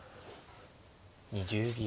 ２０秒。